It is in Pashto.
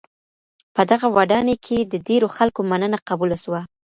په دغه ودانۍ کي د ډېرو خلکو مننه قبوله سوه.